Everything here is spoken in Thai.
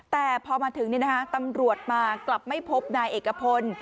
แต่พอมาถึงเนี่ยนะคะตำรวจมากลับไม่พบนายเอกพล